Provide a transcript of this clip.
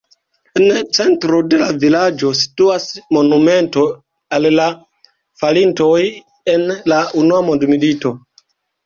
En centro de la vilaĝo situas monumento al la falintoj en la unua mondmilito.